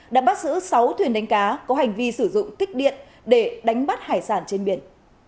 đã bắt giữ sáu thuyền đánh cá có hành vi sử dụng kích điện để đánh bắt hải sản trên biển